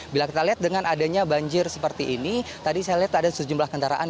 bila kita lihat dengan adanya banjir seperti ini tadi saya lihat ada sejumlah kendaraan